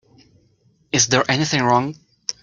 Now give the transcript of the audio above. Is there anything wrong?